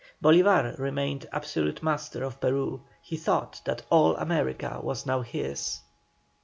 Bolívar remained absolute master of Peru. He thought that all America was now his.